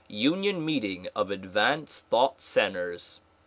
Union Meeting of Advanced Thought Centers.